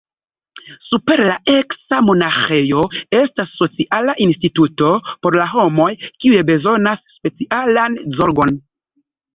Super la eksa monaĥejo estas sociala instituto por la homoj, kiuj bezonas specialan zorgon.